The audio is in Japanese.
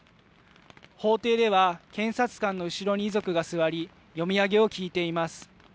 法廷では検察官の後ろに遺族が座り、読み上げを聞いています。